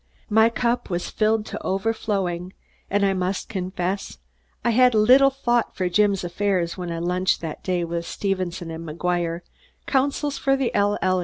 My cup was filled to overflowing, and I must confess I had little thought for Jim's affairs when I lunched that day with Stevenson and McGuire, councils for the L.